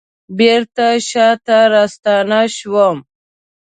بیرته شاته راستنه شوم